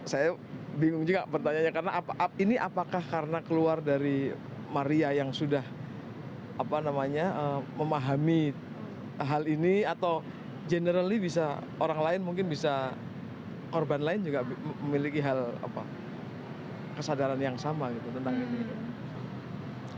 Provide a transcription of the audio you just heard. saya bingung juga pertanyaannya karena ini apakah karena keluar dari maria yang sudah memahami hal ini atau generaly bisa orang lain mungkin bisa korban lain juga memiliki hal apa kesadaran yang sama gitu tentang ini